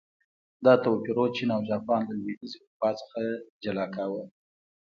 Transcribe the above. دا توپیرونه چین او جاپان له لوېدیځې اروپا څخه جلا کاوه.